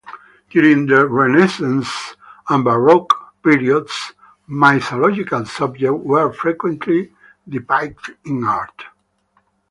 During the Renaissance and Baroque periods, mythological subjects were frequently depicted in art.